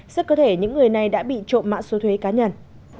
rất có thể những người này đã bị trộm mã số thuế cá nhân